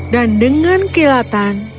dan dengan kilatan